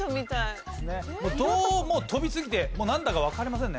どうも飛びすぎてなんだかわかりませんね。